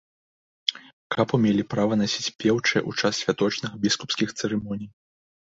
Капу мелі права насіць пеўчыя ў час святочных біскупскіх цырымоній.